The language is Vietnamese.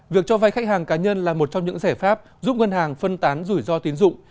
việc cho vai khách hàng cá nhân là một trong những giải pháp giúp ngân hàng phân tán rủi ro tiến dụng